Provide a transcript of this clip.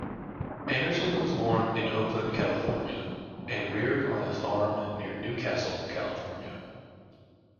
Anderson was born in Oakland, California, and reared on a farm near Newcastle, California.